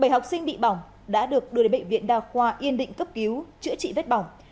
bảy học sinh bị bỏng đã được đưa đến bệnh viện đa khoa yên định cấp cứu chữa trị vết bỏng